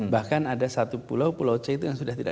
bahkan ada satu pulau pulau c itu yang sudah tidak